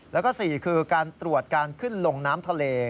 แล้วก็๔คือการตรวจการขึ้นลงน้ำทะเล